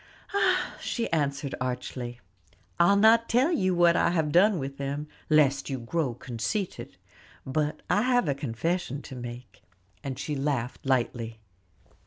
"Ah!" she answered archly, "I'll not tell you what I have done with them, lest you grow conceited. But I have a confession to make," and she laughed lightly.